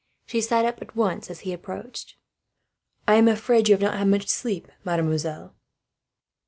She sat up at once, as his step approached. "I am afraid you have not had much sleep, mademoiselle."